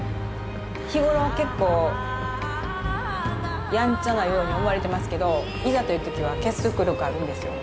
日頃結構やんちゃなように思われてますけどいざという時は結束力あるんですよ。